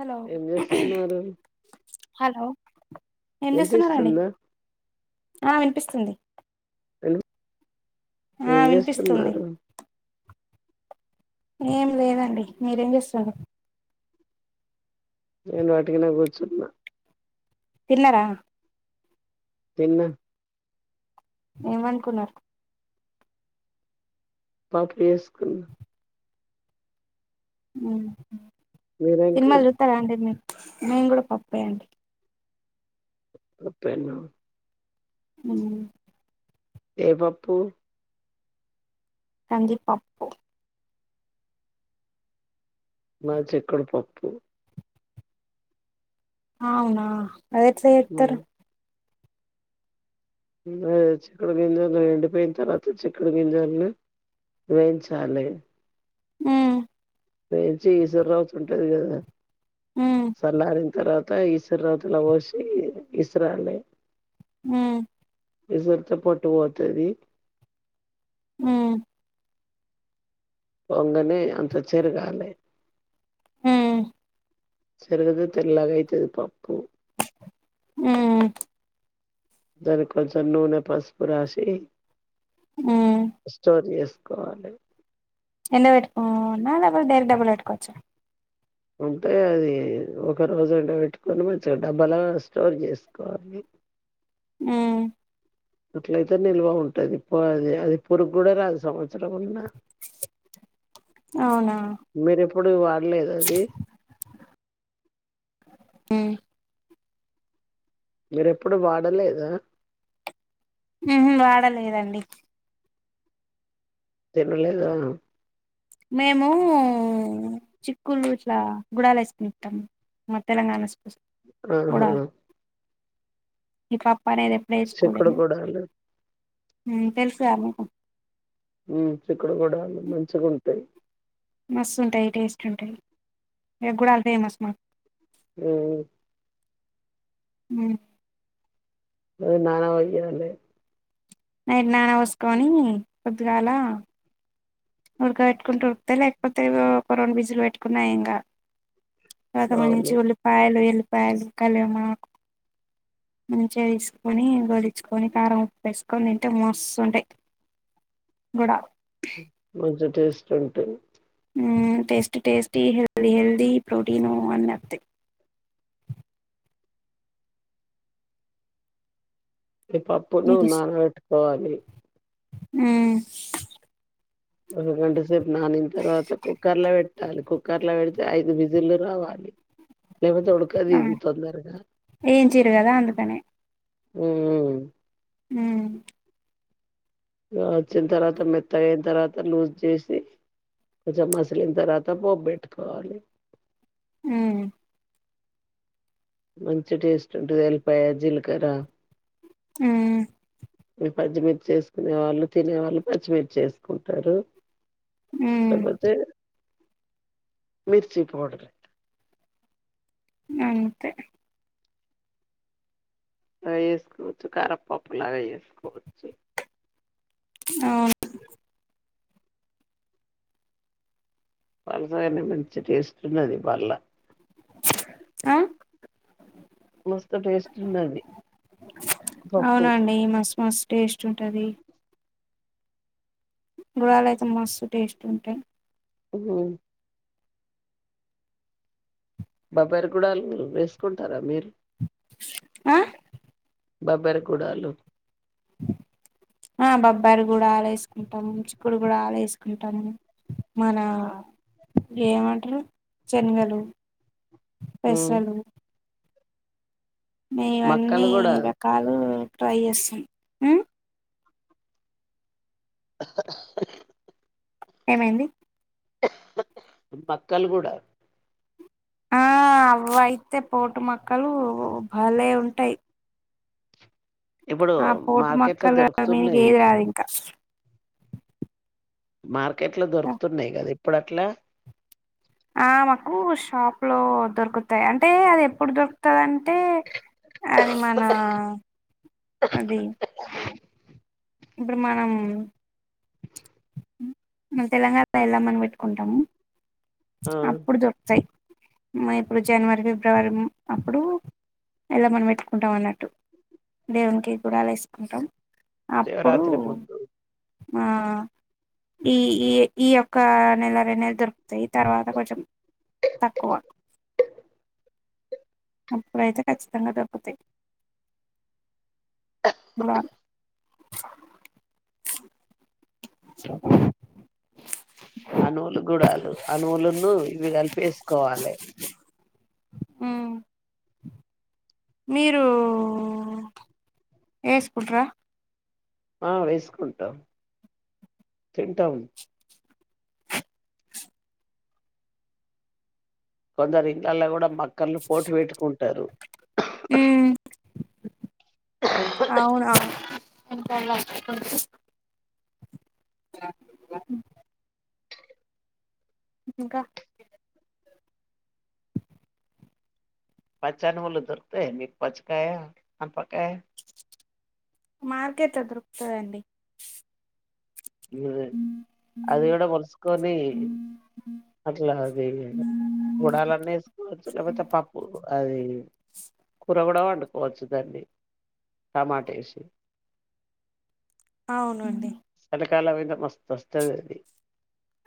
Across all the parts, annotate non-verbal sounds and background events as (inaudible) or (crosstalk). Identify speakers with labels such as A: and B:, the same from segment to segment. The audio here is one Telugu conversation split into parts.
A: హలో
B: ఏం చేస్తున్నారు
A: హలో ఏం చేస్తున్నరండి
B: వినిపిస్తుందా
A: ఆ వినిపిస్తుంది ఆ
B: ఏం
A: వినిపిస్తుంది
B: జేస్తున్నారు
A: ఏం లేదండి మీరేం జేస్తుండ్రు
B: నేను వట్టిగనే గూర్చున్నా
A: తిన్నరా
B: తిన్న
A: ఏం వండుకున్నారు
B: పప్పు ఏసుకున్నా
A: ఉమ్ హు
B: మీరేం
A: సినిమాలు
B: కర్రీ
A: జుత్తరా అండి మేము గగడా పప్పే అండి
B: అప్పెండ్ డౌన్
A: ఉమ్
B: ఏ పప్పు
A: కంది పప్పు
B: మాది చిక్కుడు పప్పు
A: అవునా అది ఎట్లా జేత్తరు
B: ఉమ్. అ చికుడు గింజాలు ఎండిపోయిన తర్వాత చిక్కుడు గింజాలని వేయించాలి
A: మ్మ్
B: వేచి ఈశ్వరావుత ఉంటది కదా
A: మ్
B: సల్లారిన తర్వాత ఇస్రదలా పోసి ఇస్ర అలే
A: హ్మ్
B: ఇసరుతో పట్టు పోతది
A: హ్మ్
B: పొంగనే అంత చేరగాలే
A: హ్మ్
B: సరుగుదు తెల్లగై తదిపాప్పు
A: మ్మ్
B: దానికి కొంచెం నూనె పసుపు రాసి
A: మ్
B: స్టోర్ చేస్ కోవాలి
A: ఎందు పెట్టుకో నా లేకపోతే డైరెక్ట్ డబుల్ పెట్టుకోవచ్చ
B: ఉంటే అది ఒక రోజుంట పెట్టుకొని మంచిగా డబ్బలా స్టోర్ చేసుకోవాలి
A: మ్మ్
B: అట్లయితే నిల్వ ఉంటది అది అది పురుగు కూడా రాదు సంవత్సరం వున్నా
A: అవునా
B: మీర ఎప్పుడు వాడలేదా అది
A: మ్
B: మీర ఎప్పుడు వాడలేదా
A: హ్మ్ వాడలేదండి
B: లేదా
A: మేము చిక్కులు ఇట్లా గుడలు వేసుకుంటాం తెలంగాణ స్పెక్
B: ఆహా
A: మీకా అప్పానేది ఎప్పుడ వేసుకోడి
B: చిక్కుడు గుడాలు
A: తెలుసుగా మీకు
B: చిక్కడు కూడా మంచిగా ఉంటాయి
A: మస్తు ఉంటాయి టేస్ట్ ఉంటాయి ఎ కూడాల ఫేమస్ మాకు
B: మ్మ్
A: హ్మ్
B: అ నానా వేయావలే
A: నైట్ నాన పోసుకొని పోద్దుగాల ఉడక పెట్టుకుంటూ ఉరికితే లేకపోతే కొ రండు విజులు పెట్టుకున్నా ఏం కాదు తర్వాత మన
B: అవును
A: నుంచి ఉల్లిపాయలు ఎల్లిపాయలు కలి మకు మంచిగా తీసుకొని గోడిచ్చుకొని కారం ఉప్పు వేసుకొని తింటే మస్తుంటాయి ఆ
B: మంచి టేస్ట్ ఉంటే
A: హ్మ్ tasty tasty healthy healthy protein అని వతాయి
B: పప్పులు నాన పెట్టుకోవాలి
A: మ్మ్
B: ఒక గంట సేపు నానిన తర్వాత కుక్కర్ లో పెట్టాలి కుక్కర్ లో పెడితే ఐదు విజిలు రావాలి నేమతే ఉడుకాదు
A: ఆ
B: ఇది తొందరగా
A: ఏంచిరు కదా అందుకనే
B: మ్మ్
A: మ్మ్
B: వచ్చిన తర్వాత మెత్తగయిన తర్వాత లూజ్ చేసి కొంచెం అసలు ఇంత రాత్రి అప్పుడు బయటికి రావాలి
A: ఉమ్మ్
B: మంచి టేస్ట్ ఉంటుంది ఎల్లిపాయ జీలకర్ర
A: ఊమ్మ్
B: పచ్చిమిర్చి చేేసుకునే వాళ్ళు తినే వాళ్ళు పచ్చిమిర్చి వేసుకుంటారు
A: ఉమ్
B: లేపోతే మిర్చి పౌడర్
A: అంతే
B: లాగ చేసుకోవచ్చు కారపప్పు లాగ చేసుకోవచ్చు
A: అవును
B: పలసకానే మంచి టేస్ట్ ఉన్నది వాళ్ళ
A: ఆ
B: మస్త టేస్ట్ ఉన్నది పప్పు
A: అవునండి మస్తు మస్తు టేస్ట్ ఉంటది గుడాల అయితే మస్తు టేస్ట్ ఉంటాయి
B: ఉమ్మ్ బబ్బరగుడాల్ వేసుకుంటారా మీరు
A: ఆ
B: బబ్బెరగుడాలు
A: బొబ్బర గుడాలు వేసుకుంటాం చిక్కుడుగూడాలు వేసుకుంటాం కుంటాము మన ఏమంటారు శనగలు
B: హ్మ్.
A: పెసలు ఇగ అన్ని
B: మక్కలు గూడా
A: రకాలు ట్రై చేస్తాం మ్మ్
B: (inaudible)
A: ఏమైంది
B: మక్కలు కూడా
A: ఆ అవయితే పోటు మక్కలు భాలే ఉంటాయి
B: ఇప్పుడు
A: ఆ పోటు
B: మార్కెట్‌లో
A: మక్కలు మీదికి
B: దొరుకుతున్నాయి.
A: ఏది రాదు ఇంకా
B: మార్కెట్ లో దొరుకుతున్నాయి కదా ఇప్పుడు అట్లా
A: ఆ మాకు షాప్ లో దొరుకుతాయి అంటే అది ఎప్పుడు దొరుకుతందింటే అది మన అది ఇప్పుడు మనం మ తెలంగాణలో ఎల్లమ్మ ని పెట్టుకుంటాం
B: ఆ!
A: అప్పుడు దొరుకుతాయి ఇప్పుడు జనవరి ఫిబ్రవరి అప్పుడు వెళ్ళమని పెట్టుకుంటాం అన్నట్టు దేవునికి గుడాలు వేసుకుంటాం అప్పుడు
B: శివరాత్రి పొద్దు
A: ఆ ఈ ఈ ఈ యొక్క నెల రెండు నెల దొరుకుతాయి తర్వాత కొంచెం తక్కువ అప్పుడైతే కఖచ్చితంగా దొరుకుతాయి వా (inaudible)
B: ఆ అణువులను గుడాలు అణువులను ఇవి కలిపి వేసుకోవాలే
A: మ్మ్ మీరు వేసుకుంట్రా
B: ఆ వేసుకుంటాం తింటాం కొందరు ఇంలల్లో కూడా మక్కర్లు పోటు పెట్టుకుంటారు
A: ఉమ్ అవును అవును (inaudible) (inaudible) ఇంకా
B: పచ్చని వొళ దొరుకుతాయి మీకు పచ్చకాయ అనపకాయ
A: మార్కెట్లో దొరుకుతుదండి
B: అది గూడ మలుసుకోని అట్ల అది గుడాలన్నీ వేసుకోవచ్చు లేపోతే పప్పు అది కూర గూడ వండు పోచ్చదండి టమాటేసి
A: అవునండి
B: కాల వినపస్ తస్తదది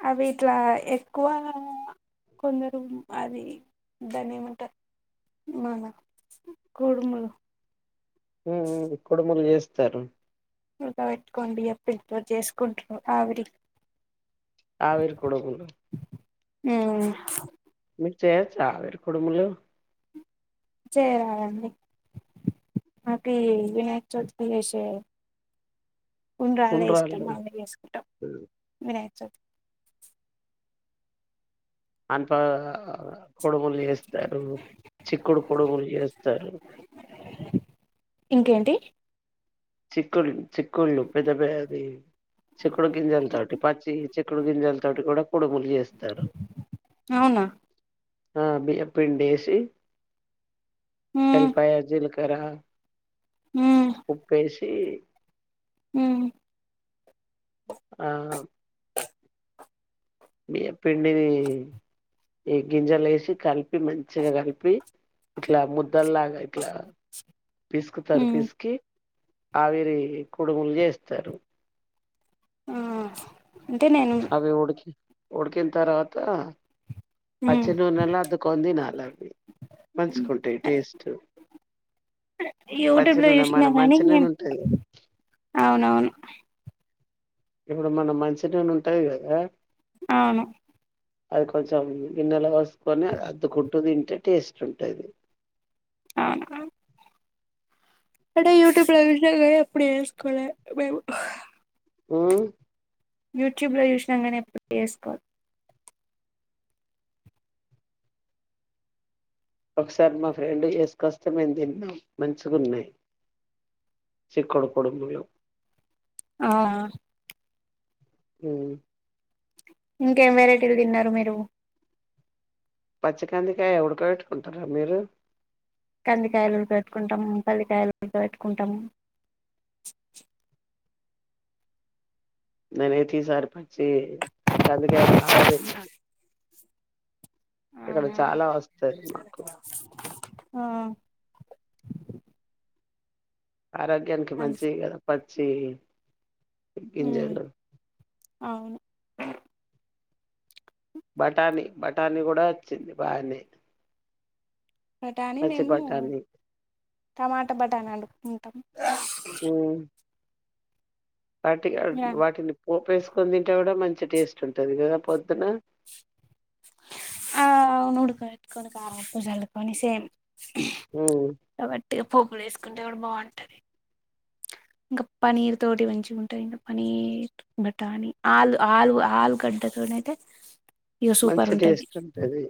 A: అవి ఇట్లా ఎక్కువా కొందరు అది దానేమంటా మన కోడుము
B: ఉమ్ ఉమ్ కుడుములు చేస్తారు
A: చేసుకుంటురు ఆవిరి
B: ఆవిరి కుడుములు
A: మ్మ్
B: మేం చేయచ్చా ఆవిరి కుడుములు
A: చెయ్యరా అండి అపి వినాయక్ చౌతికి విష్ గుండ్రాలు ఇష్టం
B: ఉండ్రాళ్ళు
A: అళ్ళే చేసుకుంటాం వినాయక్ చవితి
B: అనిప పొడుగులు చేస్తారు చిక్కుడు పొడుగులు చేస్తారు
A: ఇంకేంటి
B: చిక్కుళ్ళ్ చిక్కుళ్ళు పెద్ద పెది చిక్కుడు గింజలతోటి పాచి చిక్కుడు గింజలతోటి కూడా కుడుములు చేస్
A: అవునా
B: ఆ బియ్య పిండేసి ఎల్లిపాయ జిల్కర
A: మ్మ్
B: ఏషి
A: ఊహు
B: ఆ పిండి ఈ గింజలేషి కలిపి మంచిగా కలిపి ఇట్లా ముద్దల్లాగా ఇట్లా పిసుకుతారు
A: ఉమ్
B: పిసుకి ఆవిరి కుడుములు చేస్తారు
A: ఆ అంటే నేను
B: ఉడికిన్ తర్వాత
A: ఉమ్
B: పచ్చి నూనెలో అద్దుకొని తినాలవి మంచుకుంటాయి టేస్ట్
A: యూట్యూబ్
B: పచ్చి
A: లో
B: నూనె
A: చూసినా
B: మన
A: కానీ
B: మంచి నూనుంటయిగా
A: అవునవును
B: ఇప్పుడు మన మంచి నూనుంటాయి గదా
A: అవును
B: అది కొంచెం గిన్నెలు వోసుకొని అద్దుకుంటూ తింటే టేస్ట్ ఉంటాది
A: అ అంటే యూట్యూబ్ లో చూసిన గద ఎప్పుడు చేసుకోలా మేము
B: మ్మ్
A: యూట్యూబ్ లో చూసినంగానే ఎప్పుడు చేేసుకోల
B: ఒకసారి మా ఫ్రెండ్ తీస్కస్తే మేం తిన్న మంచుగున్నాయి చకుడు కుడుములు
A: ఆ
B: మ్మ్
A: ఇంకేం వెరైటీలు తిన్నారు మీరు
B: పచ్చికందికాయ ఉడక పెట్టుకుంటరా మీరు
A: కందికాయలు ఉడకవేట్టుకుంటాము పల్లికాయలు ఉడకవేట్టుకుంటాము.
B: నేన్ అయితే ఈసారి పచ్చియి కందికాయ బాగాతిన్న ఇక్కడ
A: అవునా
B: చాలా వస్తాయి మాకు
A: ఆ
B: ఆరోగ్యానికి
A: అన్
B: మంచియి గదా పచ్చియి
A: ఉమ్
B: గింజలు
A: అవును
B: బఠానీ బఠానీ కూడా వచ్చింది బాగానే
A: బఠానీ
B: పచ్చి
A: మేము
B: బఠానీ
A: టమాటా బఠానీ అండుకుంటము.
B: మ్ వట్టిగా ర్ వాటిని పోపేసు పొందింటే కూడా మంచి టేస్ట్ ఉంటుంది కదా పొద్దున
A: ఆ అవున్ వుడాకబెట్కొని కారం ఉప్పు జ సేమ్
B: ఉమ్
A: కాబట్టి పోపులు ఎసుకుంటే కూడా బాగుంటది. ఇంకా పనీర్ తోటి మంచిగా ఉంటాది పనీర్ బటాని ఆలు ఆలు ఆలుగడ్డతో నయితే
B: మంచిగా టేస్ట్ ఉంటది.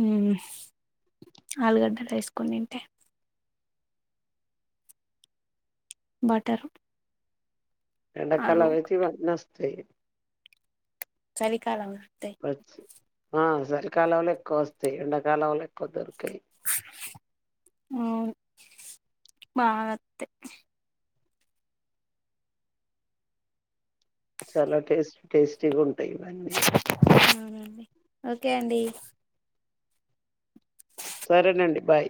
A: హుమ్ ఆలుగడ్డలు ఏసుకొనితింటే బట్టరు
B: ఎండకాలం అయితే ఇవన్నోస్తాయి.
A: చలికాలం అత్తయి.
B: ఆ సరికాలంల ఎక్కువ వస్తాయి ఎండాకాలంలా ఎక్కువ దొరికయి.
A: అవు బాగాత్తే
B: చాలా టేస్ట్ టేస్టీగా ఉంటాయి ఇవన్నీ
A: ఉమ్, ఓకే అండి.
B: సరేనండి బాయ్